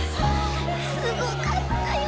すごかったよ。